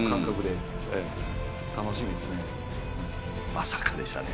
まさかでしたね。